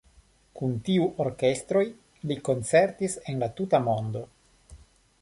Kun tiuj orkestroj li koncertis en la tuta mondo.